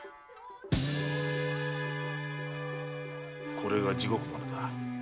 これが「地獄花」だ。